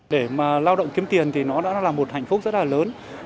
để mà lao động kiếm tiền thì nó đã là một hạnh phúc rất là lớn